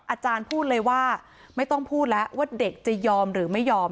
อาจารย์พูดเลยว่าไม่ต้องพูดแล้วว่าเด็กจะยอมหรือไม่ยอม